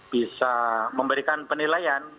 bisa memberikan penilaian